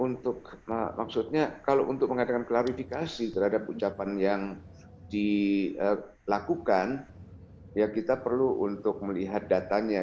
untuk maksudnya kalau untuk mengadakan klarifikasi terhadap ucapan yang dilakukan ya kita perlu untuk melihat datanya